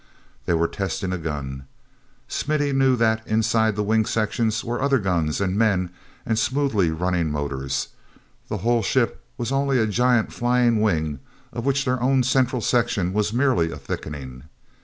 They were testing a gun. Smithy knew that inside that wing section were other guns, and men, and smoothly running motors. The whole ship was only a giant flying wing of which their own central section was merely a thickening.